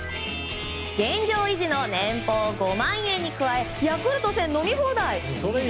現状維持の年俸５万円に加えヤクルト１０００飲み放題。